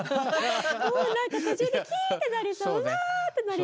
なんか途中でキーってなりそううわってなりそう。